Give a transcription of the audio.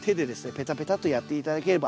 ペタペタッとやって頂ければ。